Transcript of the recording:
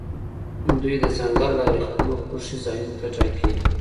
دوی د ځنګل لارې خپلو خوښې ځایونو ته ټاکي